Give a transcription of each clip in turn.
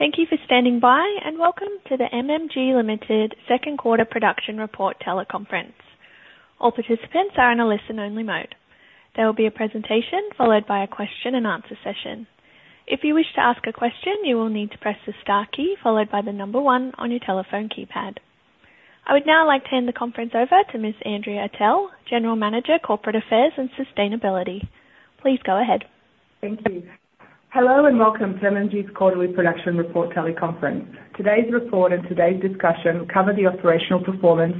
Thank you for standing by, and welcome to the MMG Limited second quarter production report teleconference. All participants are in a listen-only mode. There will be a presentation followed by a question-and-answer session. If you wish to ask a question, you will need to press the star key followed by the number 1 on your telephone keypad. I would now like to hand the conference over to Ms. Andrea Atell, General Manager, Corporate Affairs and Sustainability. Please go ahead. Thank you. Hello and welcome to MMG's quarterly production report teleconference. Today's report and today's discussion cover the operational performance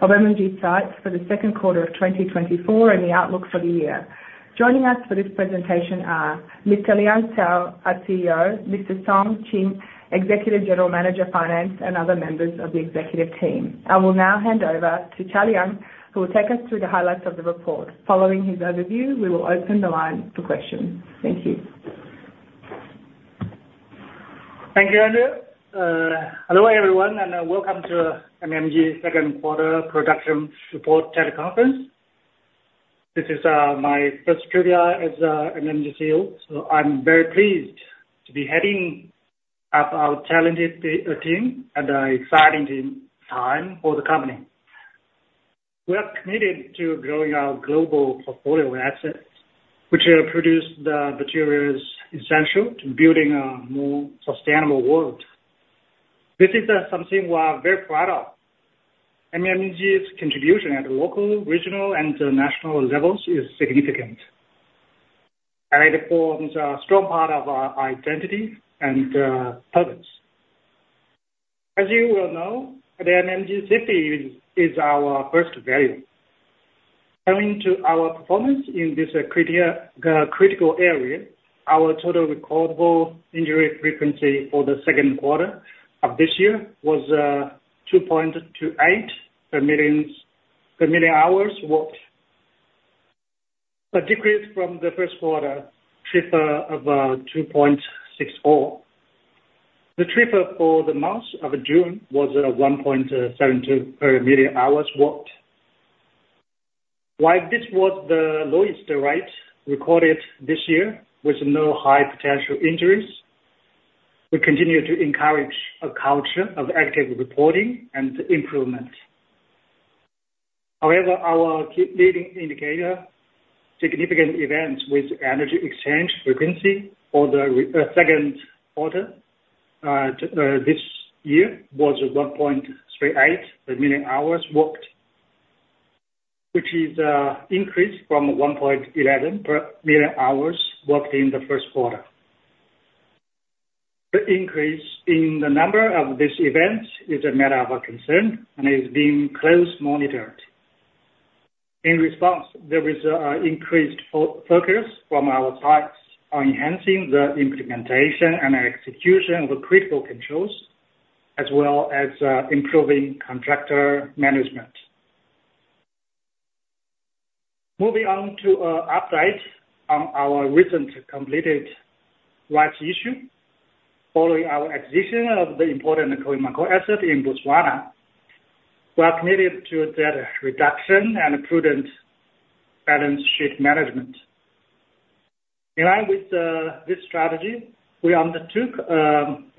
of MMG's sites for the second quarter of 2024 and the outlook for the year. Joining us for this presentation are Mr. Liang Cao, our CEO, Mr. Song Qian, Executive General Manager, Finance, and other members of the executive team. I will now hand over to Liang Cao, who will take us through the highlights of the report. Following his overview, we will open the line for questions. Thank you. Thank you, Andrea. Hello everyone, and welcome to MMG's second quarter production support teleconference. This is my first time as an MMG CEO, so I'm very pleased to be heading up our talented team at an exciting time for the company. We are committed to growing our global portfolio of assets, which produce the materials essential to building a more sustainable world. This is something we are very proud of. MMG's contribution at the local, regional, and national levels is significant, and it forms a strong part of our identity and purpose. As you well know, MMG's safety is our first value. Coming to our performance in this critical area, our total recordable injury frequency for the second quarter of this year was 2.28 per million hours worked, a decrease from the first quarter TRIF of 2.64. The TRIF for the month of June was 1.72 per million hours worked. While this was the lowest rate recorded this year, with no high potential injuries, we continue to encourage a culture of active reporting and improvement. However, our leading indicator, significant events with energy exchange frequency for the second quarter this year, was 1.38 per million hours worked, which is an increase from 1.11 per million hours worked in the first quarter. The increase in the number of these events is a matter of concern and is being closely monitored. In response, there is an increased focus from our sides on enhancing the implementation and execution of critical controls, as well as improving contractor management. Moving on to an update on our recent completed rights issue. Following our acquisition of the important Khoemacau in Botswana, we are committed to debt reduction and prudent balance sheet management. In line with this strategy, we undertook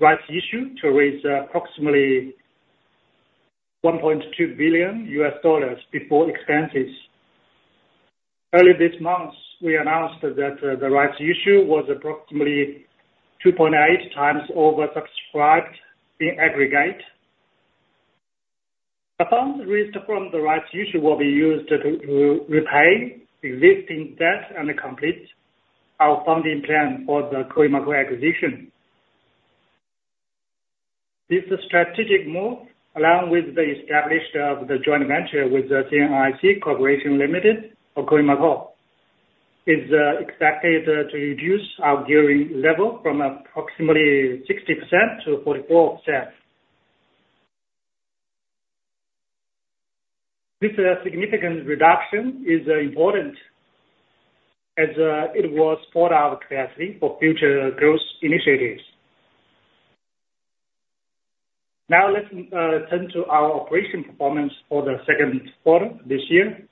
rights issue to raise approximately $1.2 billion before expenses. Early this month, we announced that the rights issue was approximately 2.8x oversubscribed in aggregate. The funds raised from the rights issue will be used to repay existing debt and complete our funding plan for the Khoemacau acquisition. This strategic move, along with the establishment of the joint venture with CNIC Corporation Limited for Khoemacau, is expected to reduce our gearing level from approximately 60% to 44%. This significant reduction is important as it will support our capacity for future growth initiatives. Now let's turn to our operational performance for the second quarter this year.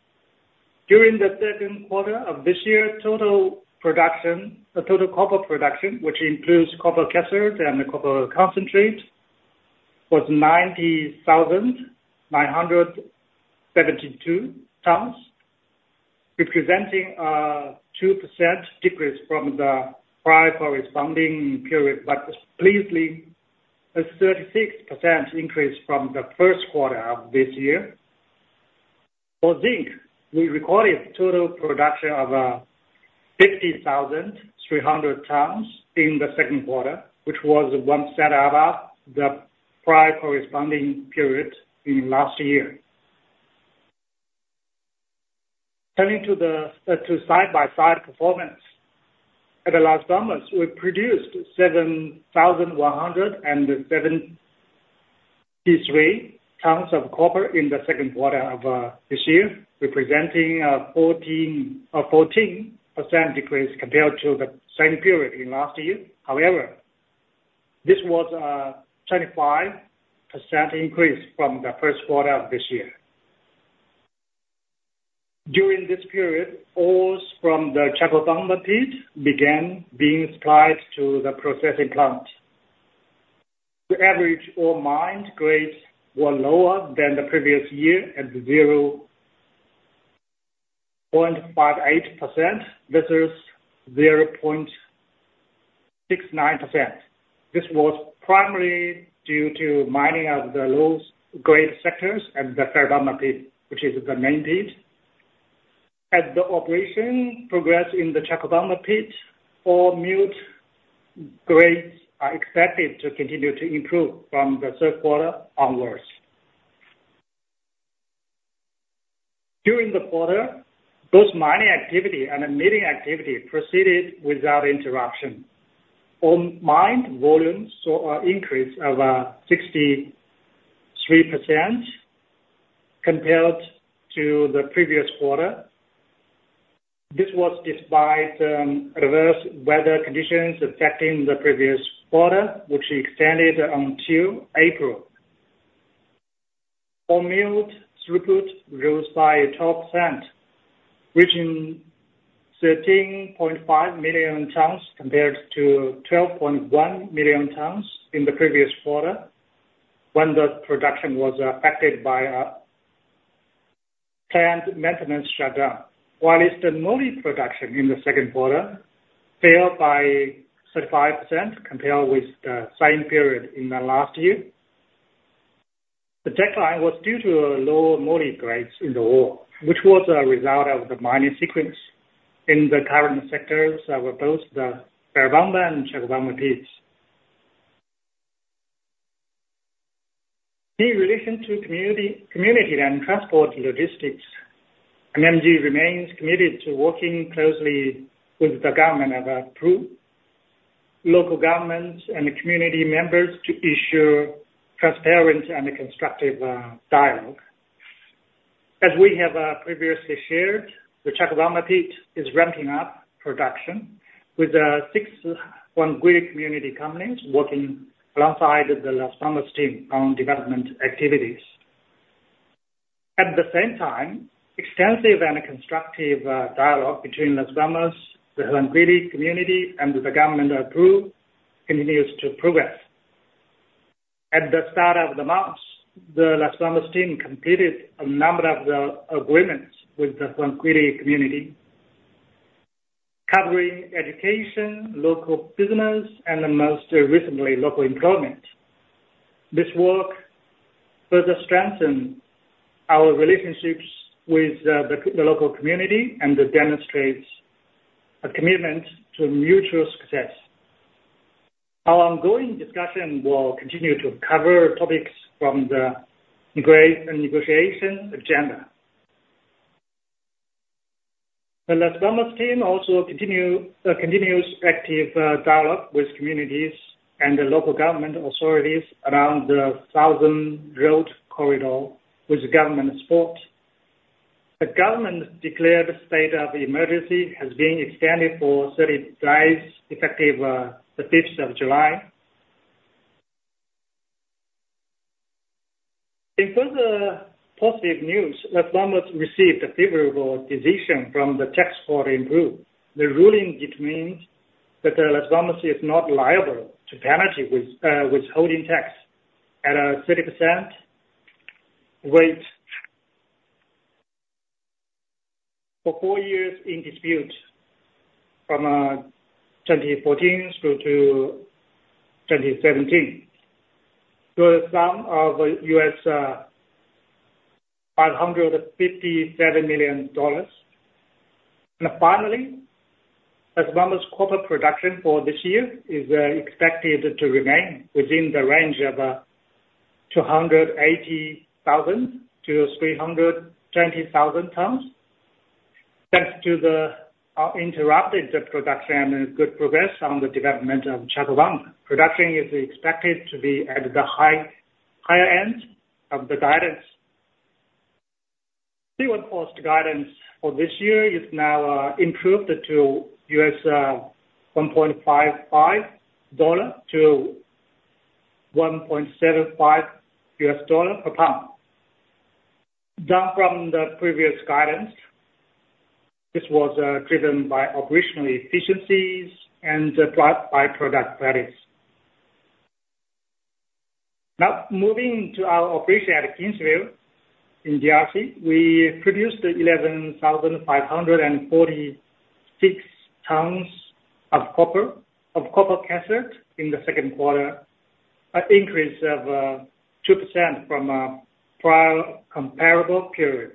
During the second quarter of this year, total cobalt production, which includes cobalt cathode and cobalt concentrate, was 90,972 tons, representing a 2% decrease from the prior corresponding period, but most pleasingly, a 36% increase from the first quarter of this year. For zinc, we recorded total production of 50,300 tons in the second quarter, which was 1% above the prior corresponding period in last year. Turning to site-by-site performance, at Las Bambas, we produced 7,173 tons of copper in the second quarter of this year, representing a 14% decrease compared to the same period in last year. However, this was a 25% increase from the first quarter of this year. During this period, ores from the Chalcobamba began being supplied to the processing plant. The average ore mined grades were lower than the previous year at 0.58% versus 0.69%. This was primarily due to mining of the low-grade sectors at the Ferrobamba Pit, which is the main pit. As the operation progressed in the Chalcobamba, milled ore grades are expected to continue to improve from the third quarter onwards. During the quarter, both mining activity and milling activity proceeded without interruption. Ore mined volumes saw an increase of 63% compared to the previous quarter. This was despite adverse weather conditions affecting the previous quarter, which extended until April. Milled ore throughput rose by 12%, reaching 13.5 million tons compared to 12.1 million tons in the previous quarter, when the production was affected by planned maintenance shutdown. While the moly production in the second quarter fell by 35% compared with the same period in the last year, the decline was due to lower moly grades in the ore, which was a result of the mining sequence in the current sectors of both the Ferrobamba and Chalcobamba. In relation to community and transport logistics, MMG remains committed to working closely with the government, local governments, and community members to ensure transparent and constructive dialogue. As we have previously shared, the Chalcobamba is ramping up production, with six Huancuire community companies working alongside the Las Bambas team on development activities. At the same time, extensive and constructive dialogue between Las Bambas, the Huancuire community, and the government of Peru continues to progress. At the start of the month, the Las Bambas team completed a number of agreements with the Huancuire community, covering education, local business, and most recently, local employment. This work further strengthens our relationships with the local community and demonstrates a commitment to mutual success. Our ongoing discussion will continue to cover topics from the grazing and negotiation agenda. The Las Bambas team also continues active dialogue with communities and local government authorities around the Southern Road Corridor, which the government supports. The government declared a state of emergency has been extended for 30 days, effective the 5th of July. In further positive news, Las Bambas received a favorable decision from the Tax Court in Peru. The ruling determined that Las Bambas is not liable to penalty withholding tax at a 30% rate. For four years in dispute, from 2014 through to 2017, to the sum of $557 million. Finally, Las Bambas' copper production for this year is expected to remain within the range of 280,000-320,000 tons. Thanks to the interrupted production and good progress on the development of Chalcobamba, production is expected to be at the higher end of the guidance. C1 cost guidance for this year is now improved to $1.55-$1.75 per lb. Down from the previous guidance, this was driven by operational efficiencies and by product values. Now, moving to our operation at Kinsevere in DRC, we produced 11,546 tons of copper cathode in the second quarter, an increase of 2% from a prior comparable period.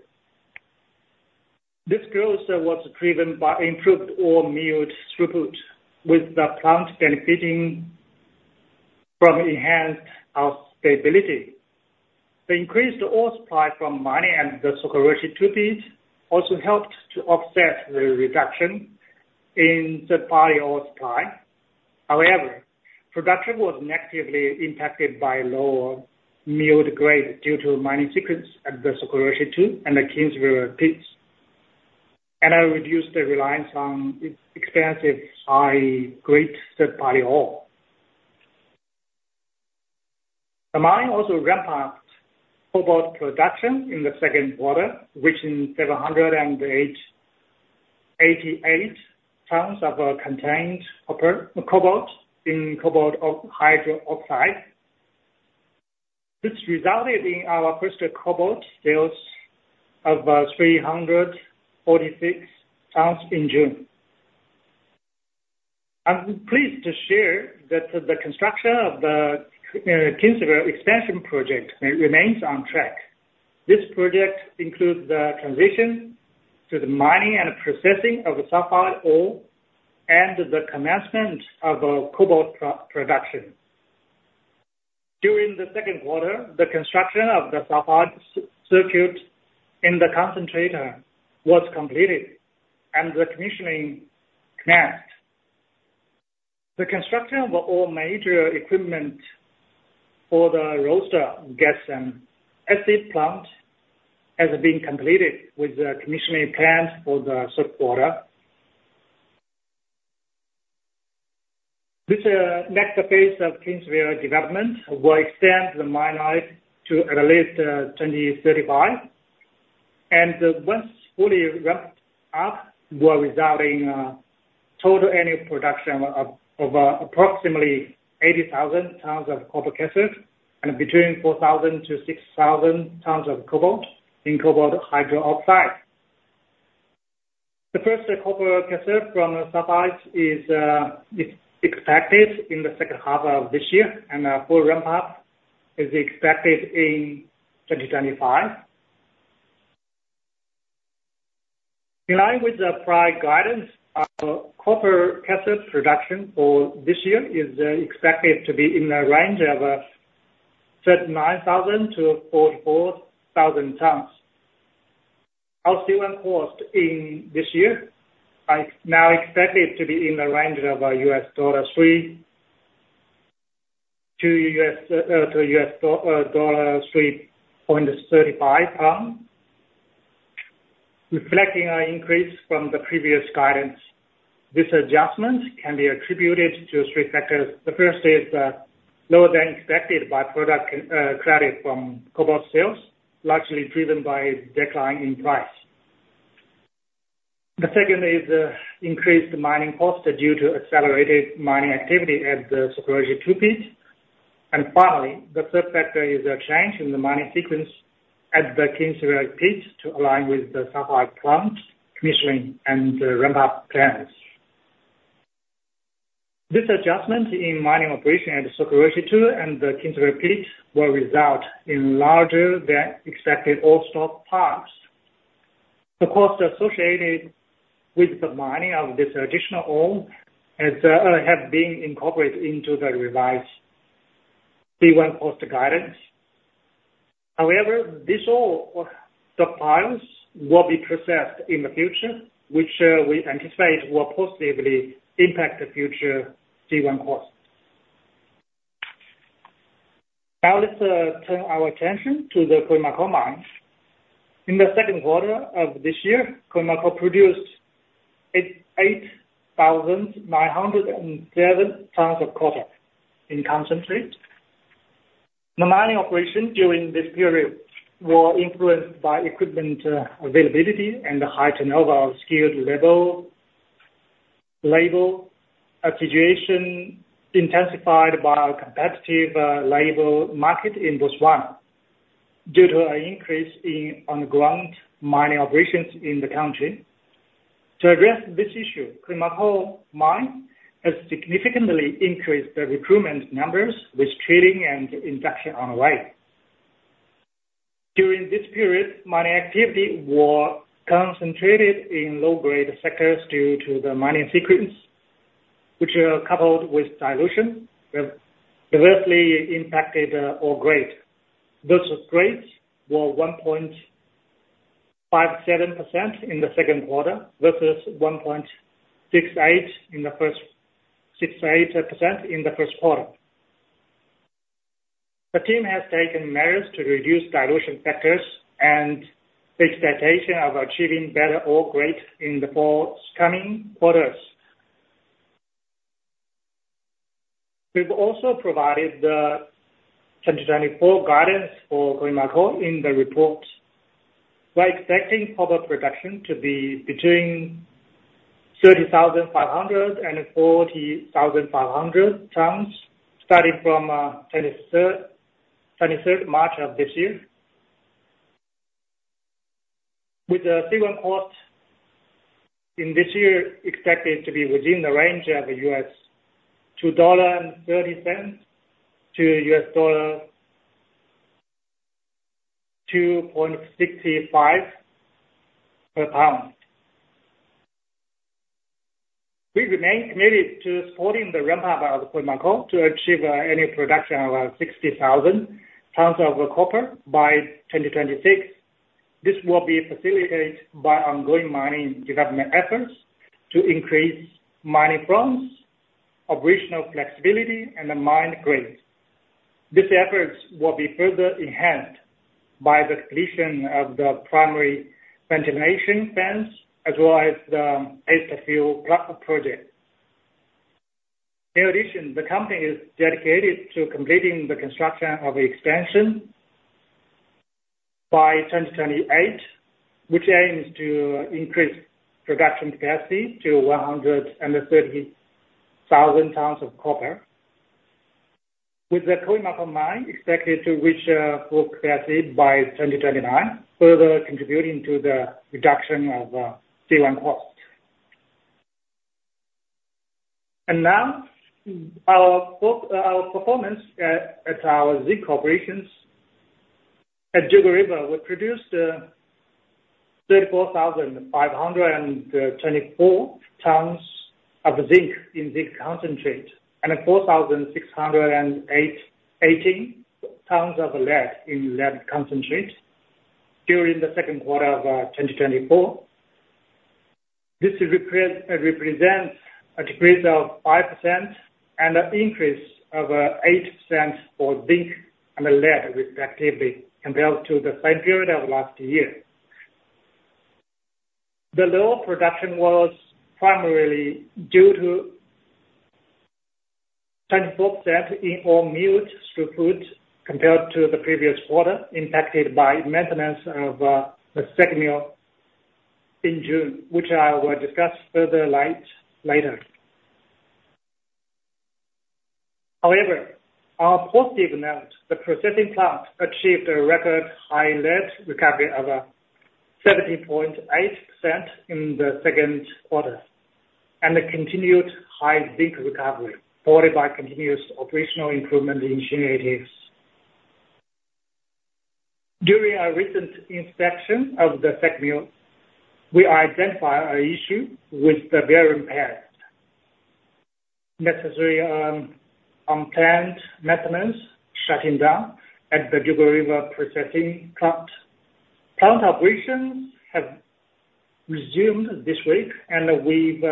This growth was driven by improved ore mill throughput, with the plant benefiting from enhanced ore stability. The increased ore supply from mining and the Sokoroshe II pit also helped to offset the reduction in third-party ore supply. However, production was negatively impacted by lower ore grade due to mining sequence at the Sokoroshe II and the Kinsevere pits, and it reduced the reliance on expensive high-grade third-party ore. The mine also ramped up cobalt production in the second quarter, reaching 788 tons of contained cobalt in cobalt hydroxide. This resulted in our first cobalt sales of 346 tons in June. I'm pleased to share that the construction of the Kinsevere expansion project remains on track. This project includes the transition to the mining and processing of sulfide ore and the commencement of cobalt production. During the second quarter, the construction of the sulfide circuit in the concentrator was completed, and the commissioning commenced. The construction of all major equipment for the roaster, gas, and acid plant has been completed, with the commissioning planned for the third quarter. This next phase of Kinsevere development will extend the mining to at least 2035, and once fully ramped up, we're resulting in total annual production of approximately 80,000 tons of copper cathode and between 4,000-6,000 tons of cobalt in cobalt hydroxide. The first copper cathode from sulfides is expected in the second half of this year, and a full ramp-up is expected in 2025. In line with the prior guidance, our copper cathode production for this year is expected to be in the range of 39,000-44,000 tons. Our C1 cost in this year is now expected to be in the range of $3-$3.35 per lb, reflecting an increase from the previous guidance. This adjustment can be attributed to three factors. The first is lower than expected by-product credit from cobalt sales, largely driven by a decline in price. The second is increased mining costs due to accelerated mining activity at the Sokoroshe II pit. Finally, the third factor is a change in the mining sequence at the Kinsevere pit to align with the sulfide plant commissioning and ramp-up plans. This adjustment in mining operation at the Sokoroshe II and the Kinsevere pit will result in larger than expected ore stock piles. The costs associated with the mining of this additional ore have been incorporated into the revised C1 cost guidance. However, these ore stock piles will be processed in the future, which we anticipate will positively impact the future C1 costs. Now let's turn our attention to the Khoemacau mine. In the second quarter of this year, Khoemacau produced 8,907 tons of copper in concentrate. The mining operation during this period was influenced by equipment availability and the high turnover of skilled labor, situation intensified by a competitive labor market in Botswana due to an increase in underground mining operations in the country. To address this issue, Khoemacau mine has significantly increased the recruitment numbers with training and induction on the way. During this period, mining activity was concentrated in low-grade sectors due to the mining sequence, which coupled with dilution have directly impacted ore grade. Those grades were 1.57% in the second quarter versus 1.68% in the first quarter. The team has taken measures to reduce dilution factors and expectation of achieving better ore grade in the forthcoming quarters. We've also provided the 2024 guidance for Khoemacau in the report. We're expecting copper production to be between 30,500 and 40,500 tons starting from 23 March of this year. With the C1 cost in this year expected to be within the range of $2.30-$2.65 per lb, we remain committed to supporting the ramp-up of Khoemacau to achieve annual production of 60,000 tons of copper by 2026. This will be facilitated by ongoing mining development efforts to increase mining fronts, operational flexibility, and the mine grade. These efforts will be further enhanced by the completion of the primary ventilation fans as well as the paste backfill project. In addition, the company is dedicated to completing the construction of an expansion by 2028, which aims to increase production capacity to 130,000 tons of copper. With the Khoemacau mine expected to reach full capacity by 2029, further contributing to the reduction of C1 costs. Our performance at our zinc operations at Dugald River will produce 34,524 tons of zinc in zinc concentrate and 4,618 tons of lead in lead concentrate during the second quarter of 2024. This represents a decrease of 5% and an increase of 8% for zinc and lead respectively compared to the same period of last year. The lower production was primarily due to 24% decrease in ore mill throughput compared to the previous quarter impacted by maintenance of the second mill in June, which I will discuss further later. However, on a positive note, the processing plant achieved a record high lead recovery of 70.8% in the second quarter and continued high zinc recovery supported by continuous operational improvement initiatives. During our recent inspection of the second mill, we identified an issue with the bearing pads. Necessary unplanned maintenance shut down at the Dugald River processing plant. Plant operations have resumed this week, and we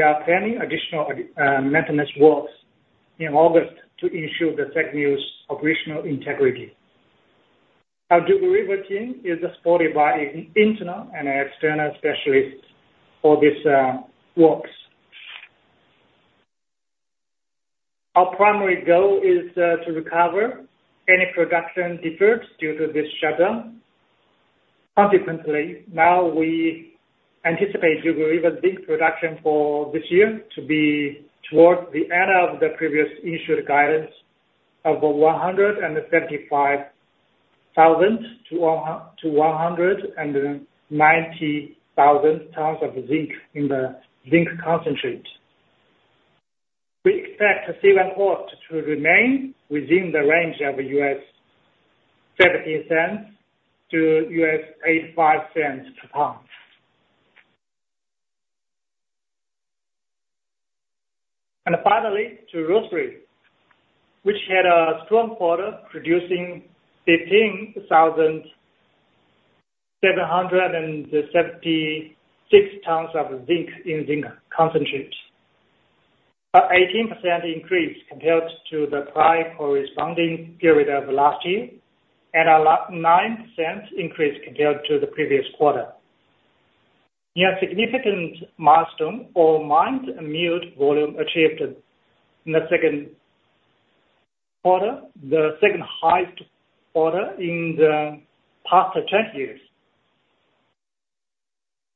are planning additional maintenance works in August to ensure the second mill's operational integrity. Our Dugald River team is supported by internal and external specialists for these works. Our primary goal is to recover any production deferred due to this shutdown. Consequently, now we anticipate Dugald River's zinc production for this year to be towards the end of the previous issued guidance of 175,000 to 190,000 tons of zinc in the zinc concentrate. We expect C1 cost to remain within the range of $0.70-$0.85 per lb. And finally, to Rosebery, which had a strong quarter producing 18,776 tons of zinc in zinc concentrate. An 18% increase compared to the prior corresponding period of last year and a 9% increase compared to the previous quarter. We had a significant milestone for mined material volume achieved in the second quarter, the second highest quarter in the past 20 years.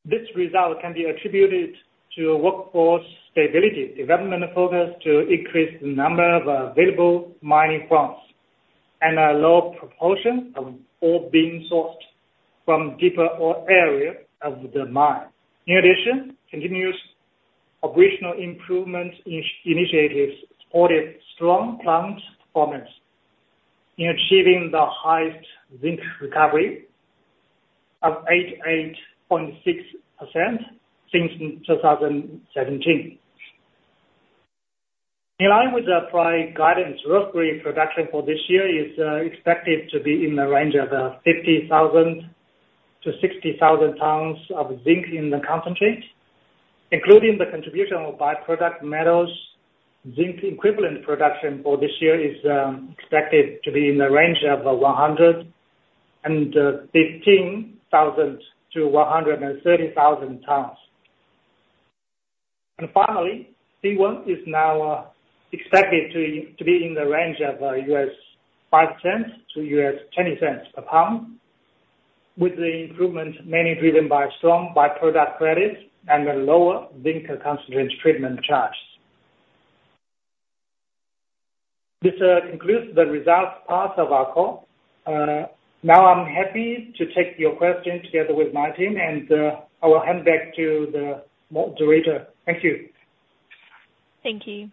This result can be attributed to workforce stability, development focus to increase the number of available mining fronts, and a low proportion of ore being sourced from deeper ore area of the mine. In addition, continuous operational improvement initiatives supported strong plant performance in achieving the highest zinc recovery of 88.6% since 2017. In line with the prior guidance, Rosebery production for this year is expected to be in the range of 50,000-60,000 tons of zinc in the concentrate. Including the contribution of byproduct metals, zinc equivalent production for this year is expected to be in the range of 115,000-130,000 tons. Finally, C1 is now expected to be in the range of $0.05-$0.20 per lb, with the improvement mainly driven by strong byproduct credits and lower zinc concentrate treatment charges. This concludes the results part of our call. Now I'm happy to take your questions together with my team, and I will hand back to the moderator. Thank you. Thank you.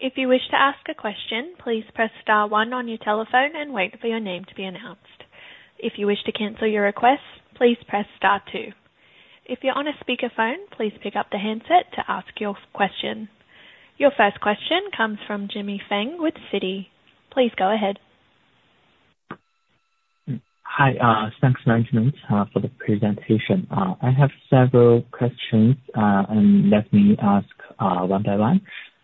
If you wish to ask a question, please press star one on your telephone and wait for your name to be announced. If you wish to cancel your request, please press star two. If you're on a speakerphone, please pick up the handset to ask your question. Your first question comes from Jimmy Feng with Citi. Please go ahead. Hi. Thanks, Nan Wang, for the presentation. I have several questions, and let me ask one by one.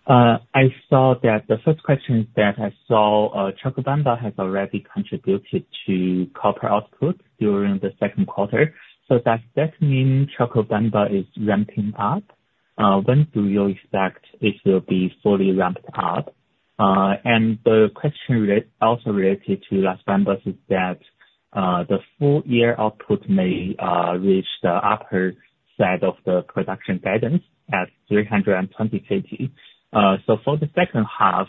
I saw that the first question is that I saw Chalcobamba has already contributed to copper output during the second quarter. So does that mean Chalcobamba is ramping up? When do you expect it will be fully ramped up? And the question also related to Las Bambas is that the full year output may reach the upper side of the production guidance at 320 KT. So for the second half,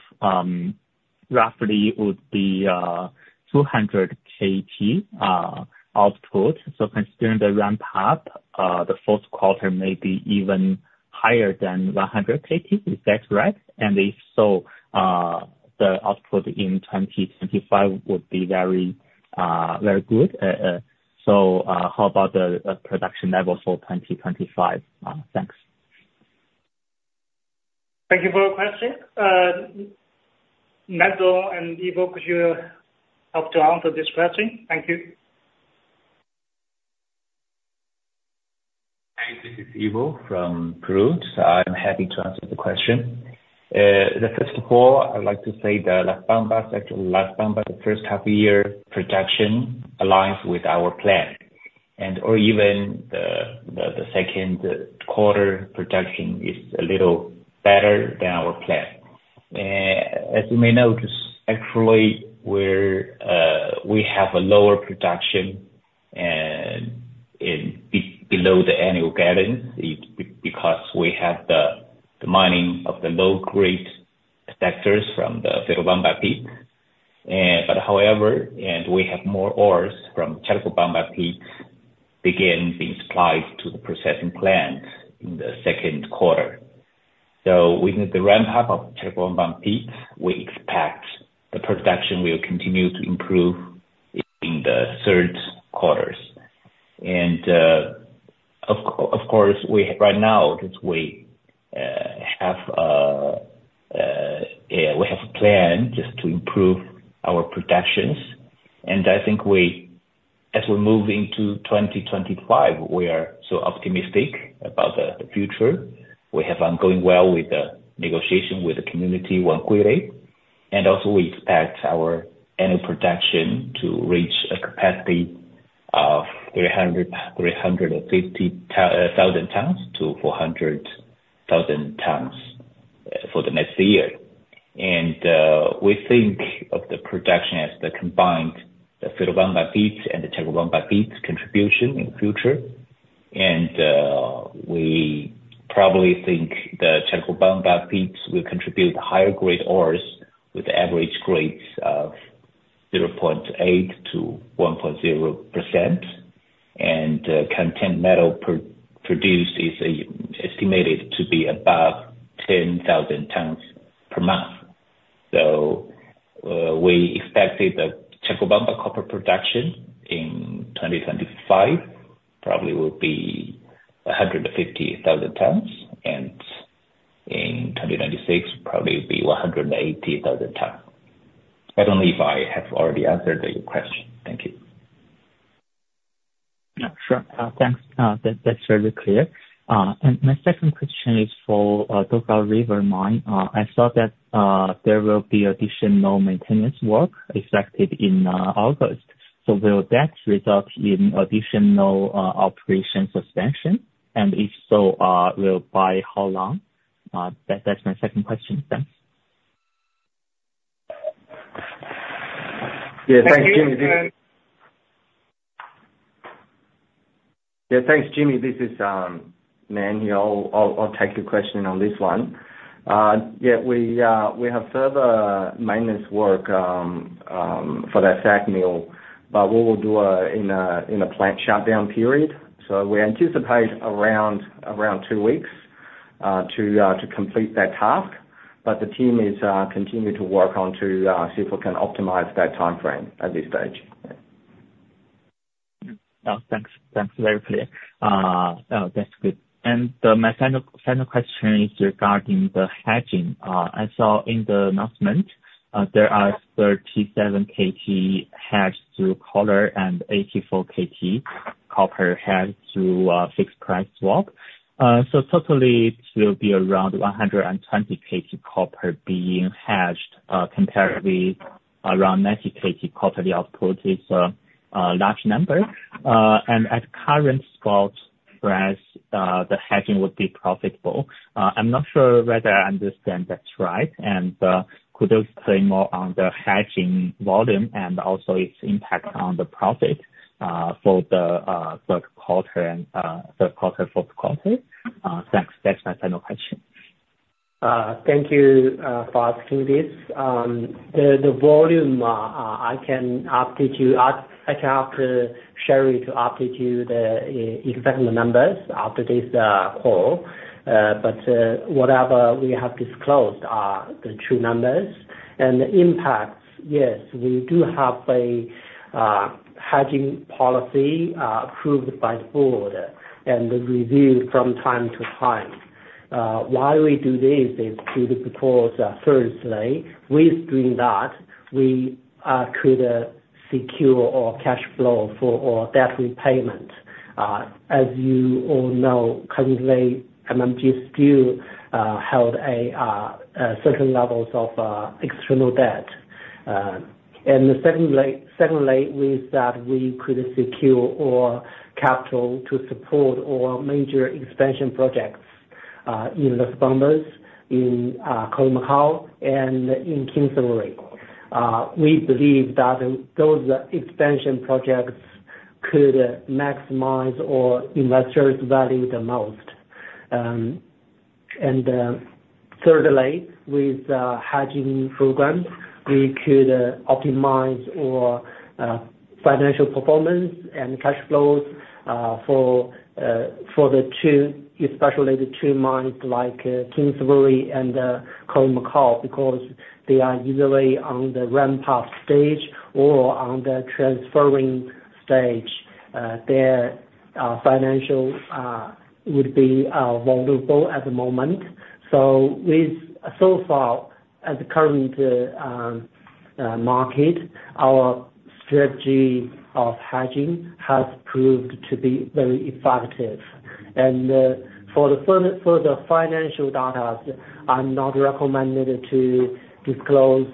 roughly it would be 200 KT output. So considering the ramp-up, the fourth quarter may be even higher than 100 KT. Is that right? And if so, the output in 2025 would be very good. So how about the production level for 2025? Thanks. Thank you for your question. Nan and Ivo, could you help to answer this question? Thank you. Hi. This is Ivo from Peru. So I'm happy to answer the question. First of all, I'd like to say that Las Bambas, the first half-year production aligns with our plan, and/or even the second quarter production is a little better than our plan. As you may know, actually, we have a lower production below the annual guidance because we have the mining of the low-grade sectors from the Chalcobamba pits. But however, we have more ores from Chalcobamba pits again being supplied to the processing plant in the second quarter. So with the ramp-up of Chalcobamba pits, we expect the production will continue to improve in the third quarters. And of course, right now, we have a plan just to improve our productions. And I think as we move into 2025, we are so optimistic about the future. We have been going well with the negotiation with the community one quarter. And also, we expect our annual production to reach a capacity of 350,000-400,000 tons for the next year. And we think of the production as the combined Chalcobamba pits and the Chalcobamba pits contribution in the future. And we probably think the Chalcobamba pits will contribute higher-grade ores with average grades of 0.8%-1.0%. And contained metal produced is estimated to be above 10,000 tons per month. So we expected the Chalcobamba copper production in 2025 probably will be 150,000 tons, and in 2026, probably will be 180,000 tons. I don't know if I have already answered your question. Thank you. Yeah. Sure. Thanks. That's very clear. And my second question is for Dugald River mine. I saw that there will be additional maintenance work expected in August. So will that result in additional operation suspension? And if so, by how long? That's my second question. Thanks. Yeah. Thanks, Jimmy. Yeah. Thanks, Jimmy. This is Manuel. I'll take your question on this one. Yeah. We have further maintenance work for that second mill, but we will do it in a plant shutdown period. So we anticipate around two weeks to complete that task. But the team is continuing to work on to see if we can optimize that timeframe at this stage. Thanks. Thanks. Very clear. That's good. And my final question is regarding the hedging. I saw in the announcement there are 37 KT hedged through collar and 84 KT copper hedged through fixed price swap. So totally, it will be around 120 KT copper being hedged compared with around 90 KT copper output. It's a large number. And at current spot price, the hedging would be profitable. I'm not sure whether I understand that's right. Could you explain more on the hedging volume and also its impact on the profit for the third quarter and fourth quarter? Thanks. That's my final question. Thank you for asking this. The volume, I can update you. I can ask Sherry to update you the exact numbers after this call. But whatever we have disclosed are the true numbers. And the impact, yes, we do have a hedging policy approved by the board and reviewed from time to time. Why we do this is to provide stability. With doing that, we could secure our cash flow for our debt repayment. As you all know, currently, MMG still held certain levels of external debt. And secondly, with that, we could secure our capital to support our major expansion projects in Las Bambas, in Khoemacau, and in Kinsevere. We believe that those expansion projects could maximize our investors' value the most. And thirdly, with the hedging program, we could optimize our financial performance and cash flows for especially the two mines like Kinsevere and Khoemacau because they are either on the ramp-up stage or on the transferring stage. Their financial would be vulnerable at the moment. So so far, at the current market, our strategy of hedging has proved to be very effective. And for the financial data, I'm not recommended to disclose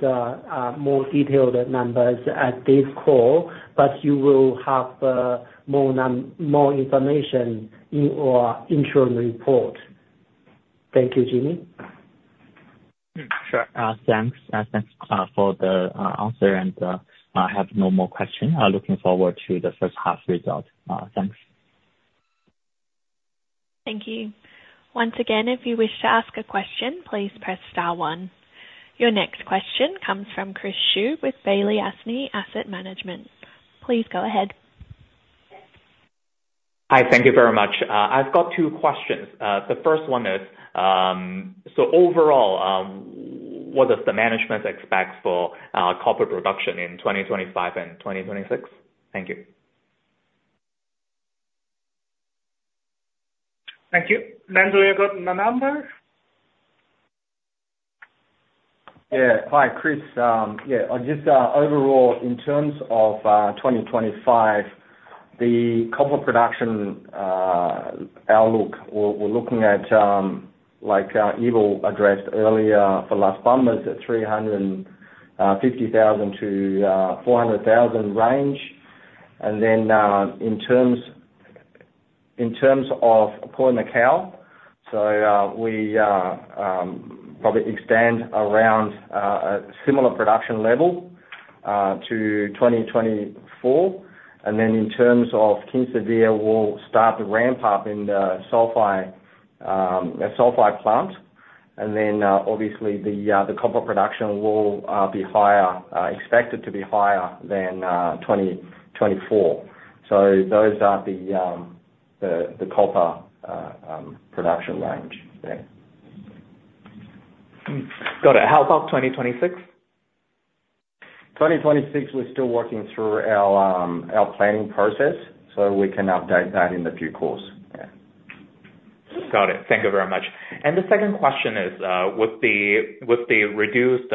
more detailed numbers at this call, but you will have more information in our interim report. Thank you, Jimmy. Sure. Thanks. Thanks for the answer, and I have no more questions. Looking forward to the first half result. Thanks. Thank you. Once again, if you wish to ask a question, please press star one. Your next question comes from Chris Xu with Balyasny Asset Management. Please go ahead. Hi. Thank you very much. I've got two questions. The first one is, so overall, what does the management expect for copper production in 2025 and 2026? Thank you. Thank you. Nan, you got the number? Yeah. Hi, Chris. Yeah. Just overall, in terms of 2025, the copper production outlook, we're looking at, like Ivo addressed earlier, for Las Bambas at 350,000-400,000 range. And then in terms of Khoemacau, so we probably extend around a similar production level to 2024. And then in terms of Kinsevere, we'll start the ramp-up in the sulfide plant. And then obviously, the copper production will be expected to be higher than 2024. So those are the copper production range. Got it. How about 2026? 2026, we're still working through our planning process, so we can update that in due course. Yeah. Got it. Thank you very much. And the second question is, with the reduced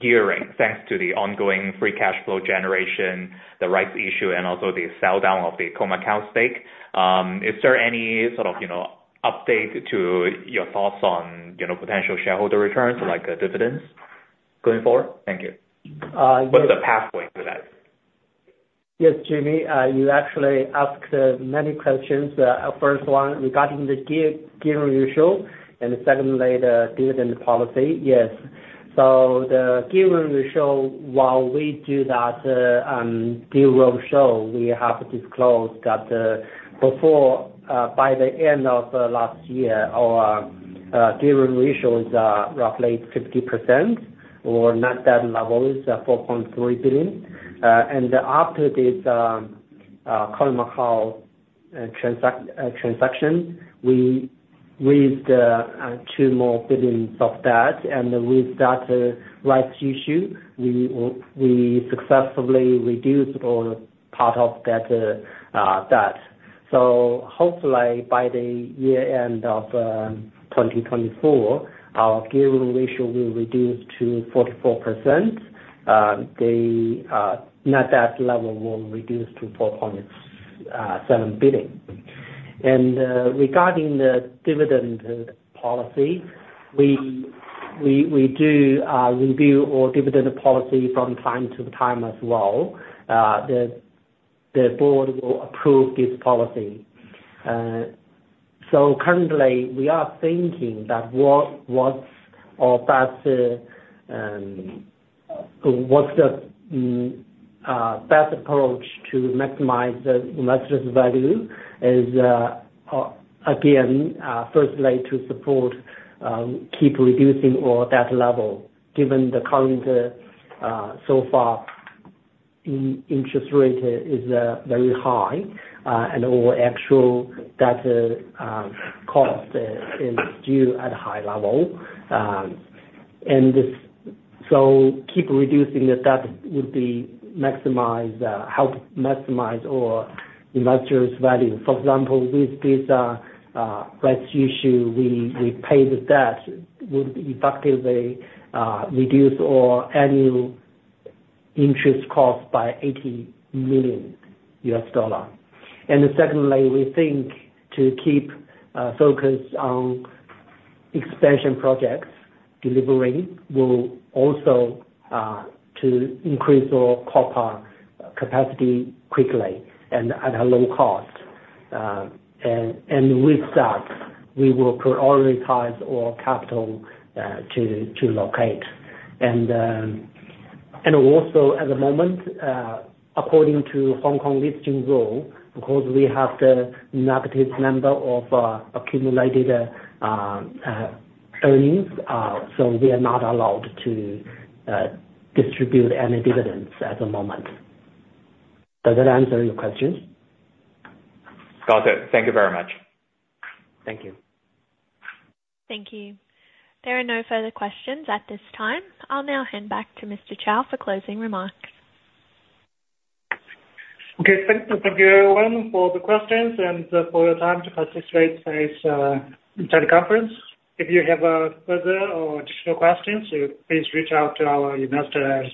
gearing, thanks to the ongoing free cash flow generation, the rights issue, and also the sell down of the Khoemacau stake, is there any sort of update to your thoughts on potential shareholder returns, like dividends, going forward? Thank you. What's the pathway to that? Yes, Jimmy. You actually asked many questions. First one, regarding the gearing ratio, and secondly, the dividend policy. Yes. So the gearing ratio, while we do that deal roadshow, we have disclosed that by the end of last year, our gearing ratio is roughly 50% or net debt level is $4.3 billion. And after this Khoemacau transaction, we raised two more billion of that. With that rights issue, we successfully reduced part of that debt. Hopefully, by the year end of 2024, our gearing ratio will reduce to 44%. The net debt level will reduce to $4.7 billion. Regarding the dividend policy, we do review our dividend policy from time to time as well. The board will approve this policy. Currently, we are thinking that what's the best approach to maximize the investors' value is, again, firstly, to support keep reducing our debt level. Given the current, so far, interest rate is very high, and our actual debt cost is still at a high level. Keep reducing the debt would help maximize our investors' value. For example, with this rights issue, we pay the debt would effectively reduce our annual interest cost by $80 million. Secondly, we think to keep focus on expansion projects delivering will also increase our copper capacity quickly and at a low cost. And with that, we will prioritize our capital to locate. Also, at the moment, according to Hong Kong listing rule, because we have the negative number of accumulated earnings, so we are not allowed to distribute any dividends at the moment. Does that answer your question? Got it. Thank you very much. Thank you. Thank you. There are no further questions at this time. I'll now hand back to Mr. Cao for closing remarks. Okay. Thank you everyone for the questions and for your time to participate in this teleconference. If you have further or additional questions, please reach out to our investor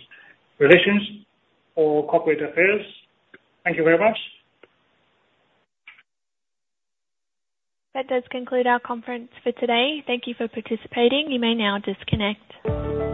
relations or corporate affairs. Thank you very much. That does conclude our conference for today. Thank you for participating. You may now disconnect.